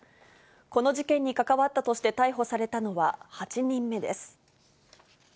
この事件に関わったとして逮捕されたのは８人目です。